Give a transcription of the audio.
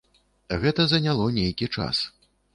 Гэта заняло нейкі час.